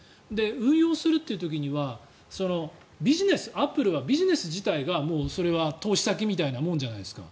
運用するという時にはアップルはビジネス自体がもう投資先みたいなものじゃないですか。